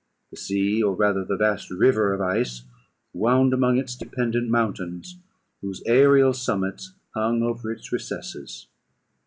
The sea, or rather the vast river of ice, wound among its dependent mountains, whose aerial summits hung over its recesses.